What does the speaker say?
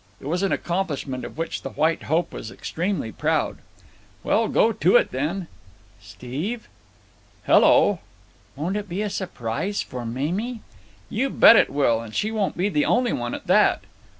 It was an accomplishment of which the White Hope was extremely proud. "Well, go to it, then." "Steve." "Hello?" "Won't it be a surprise for Mamie?" "You bet it will. And she won't be the only one, at that."